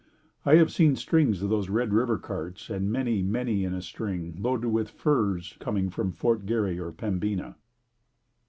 I have seen strings of those Red River carts and many, many in a string, loaded with furs coming from Fort Garry or Pembina.